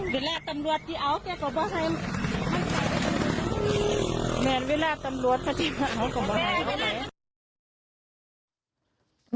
เวลาตำรวจเอาแก่เข้าไปให้แม่เวลาตำรวจพยุงแก่เข้าไปให้